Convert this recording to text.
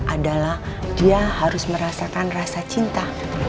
adalah dia harus merasakan rasa cinta